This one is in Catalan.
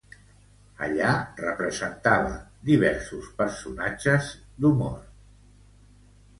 Allà representava diversos personatges d'humor.